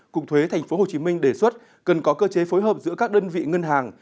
cục thuế tp hcm đề xuất cần có cơ chế phối hợp giữa các đơn vị ngân hàng